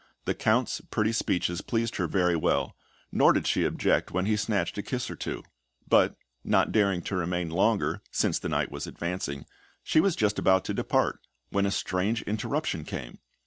The Count's pretty speeches pleased her very well, nor did she object when he snatched a kiss or two; but, not daring to remain longer, since the night was advancing, she was just about to depart, when a strange interruption came.